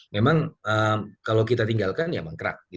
memang kalau kita tinggalkan ya mangkrak